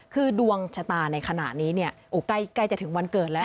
คือดวงชะตาในขณะนี้ใกล้จะถึงวันเกิดแล้ว